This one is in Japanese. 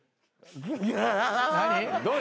何？